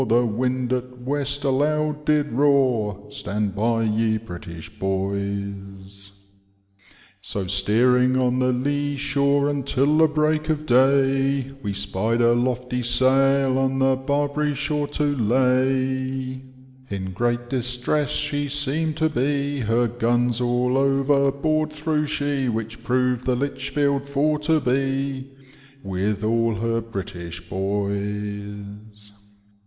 The wind at west aloud did roar, Stand by, ye British boys ! So steering on the lee shore until the break of day, We spy'd a lofty sail on the Barbary shore to lay, In great distress she secm'd to be. Her guns all overboard threw she, Which proved the Litchfield for to bo. With all her British boys.